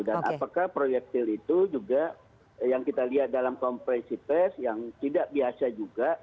dan apakah proyektil itu juga yang kita lihat dalam kompresi pes yang tidak biasa juga